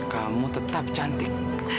kamu tetap cantik